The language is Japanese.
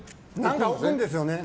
何か置くんですよね。